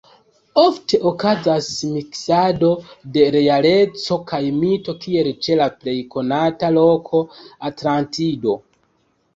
Ofte okazas miksado de realeco kaj mito kiel ĉe la plej konata loko Atlantido.